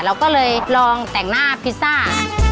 เราก็เลยลองแต่งหน้าพิซซ่า